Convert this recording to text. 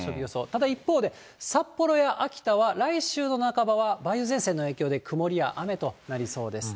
ただ一方で、札幌や秋田は来週の半ばは梅雨前線の影響で曇りや雨となりそうです。